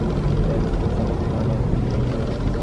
এ হচ্ছে প্রসন্নকে দিয়ে হরিমতিকে উৎখাত করা।